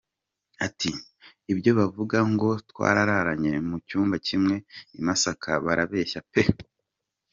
Ati: “Ibyo bavuga ngo twararanye mu cyumba kimwe i Masaka barabeshya pe.